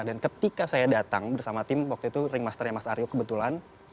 dan ketika saya datang bersama tim waktu itu ringmasternya mas aryo kebetulan